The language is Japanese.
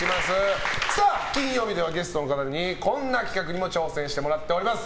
金曜日ではゲストの方にこんな企画にも挑戦してもらっています。